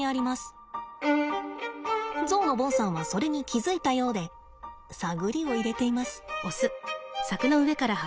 ゾウのボンさんはそれに気付いたようで探りを入れています。